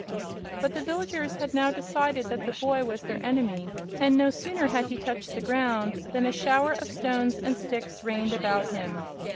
But the villagers had now decided that the boy was their enemy, and no sooner had he touched the ground than a shower of stones and sticks rained about him.